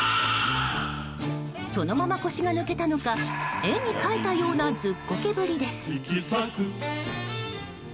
そのまま腰が抜けたのか絵に描いたようなずっこけぶりです。